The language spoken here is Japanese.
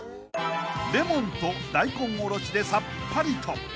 ［レモンと大根おろしでさっぱりと］